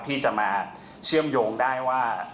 ที่จะมาเชื่อมโยงได้ว่า